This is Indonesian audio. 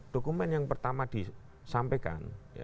dokumen yang pertama disampaikan